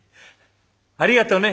「ありがとね！